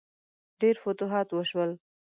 ډیر فتوحات وشول.